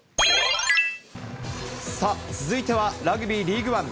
さあ、続いてはラグビーリーグワン。